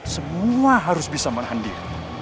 semua harus bisa mengandil